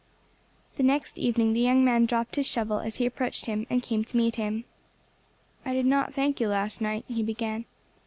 The next evening the young man dropped his shovel as he approached him, and came to meet him. "I did not thank you last night," he began.